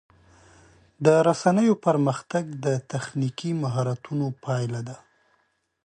د رسنیو پرمختګ د تخنیکي مهارتونو پایله ده.